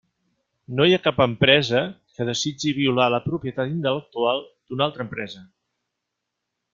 No hi ha cap empresa que desitgi violar la propietat intel·lectual d'una altra empresa.